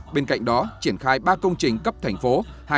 bên cạnh đó triển khai ba công trình cấp thành phố